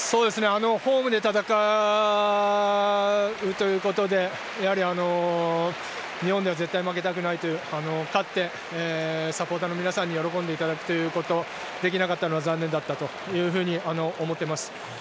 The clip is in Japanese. ホームで戦うということで日本では絶対負けたくないという勝ってサポーターの方々に喜んでいただくということができなかったのが残念だと思っています。